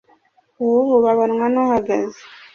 Uwububa abonwa n’uhagaze.